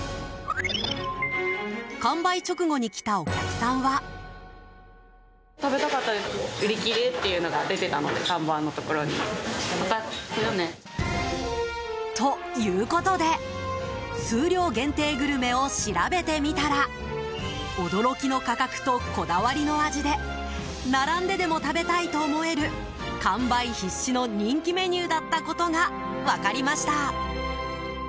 完売直後に来たお客さんは。ということで数量限定グルメを調べてみたら驚きの価格とこだわりの味で並んででも食べたいと思える完売必至の人気メニューだったことが分かりました。